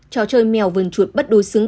trò chơi mèo vừng chuột bất đối xứng